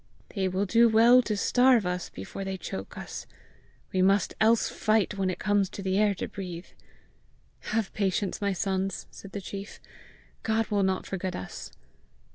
"They do well to starve us before they choke us: we might else fight when it comes to the air to breathe!" "Have patience, my sons," said the chief. "God will not forget us."